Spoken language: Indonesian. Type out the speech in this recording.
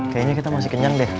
kayaknya kita masih kenyang deh